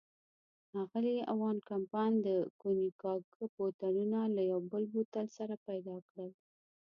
اغلې وان کمپن د کونیګاک بوتلونه له یو بل بوتل سره پيدا کړل.